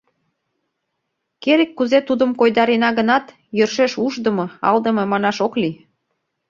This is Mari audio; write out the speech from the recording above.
Керек-кузе тудым койдарена гынат, йӧршеш ушдымо, алдыме манаш ок лий.